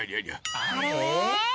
あれ？